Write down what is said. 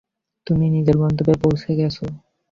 তুমি নিজের গন্তব্যে পৌঁছে গেছ।